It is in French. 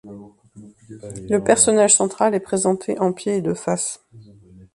Le personnage central est présenté en pied et de face.